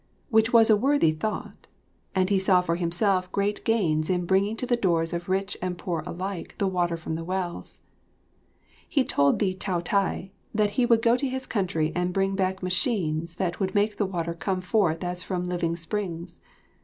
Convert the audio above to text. Which was a worthy thought, and he saw for himself great gains in bringing to the doors of rich and poor alike the water from the wells. He told the Taotai that he would go to his country and bring back machines that would make the water come forth as from living springs.